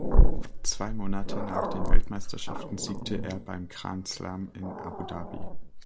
Zwei Monate nach den Weltmeisterschaften siegte er beim Grand Slam in Abu Dhabi.